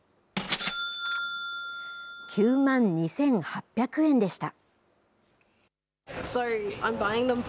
９万２８００円でした。